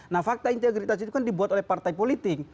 nah fakta integritas itu kan dibuat oleh partai politik